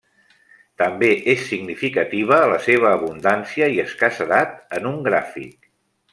També és significativa la seva abundància i escassedat en un gràfic.